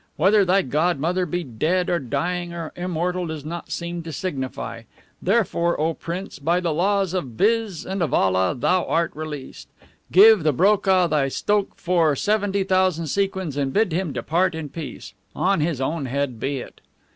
Whether thy godmother be dead, or dying, or immortal, does not seem to signify. Therefore, O prince, by the laws of BIZ and of ALLAH, thou art released. Give the BROKAH thy STOKH for seventy thousand sequins, and bid him depart in peace. On his own head be it!"